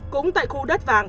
cũng tại khu đất vàng